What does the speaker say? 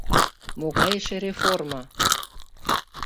Могай эше реформо?